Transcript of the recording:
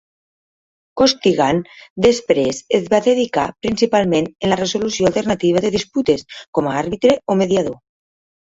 Costigan després es va dedicar principalment en la resolució alternativa de disputes, com a àrbitre o mediador.